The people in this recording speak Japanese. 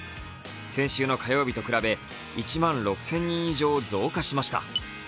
先週の火曜日と比べ１万６０００人以上増加しました。